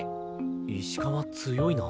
石川強いな。